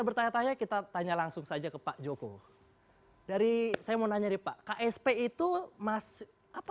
bertanya tanya kita tanya langsung saja ke pak joko dari saya mau nanya nih pak ksp itu mas apa